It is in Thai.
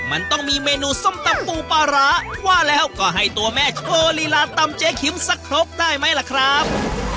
มันต้องมีเมนูส้มตำปูปลาร้าว่าแล้วก็ให้ตัวแม่โชว์ลีลาตำเจ๊คิมสักครบได้ไหมล่ะครับ